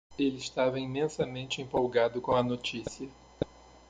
Ele estava imensamente empolgado com a notícia.